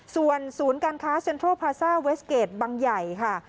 ส่วนศูนย์การค้าเซ็นทรัลพาซ่าเวสเกจบังใหญ่ค่ะ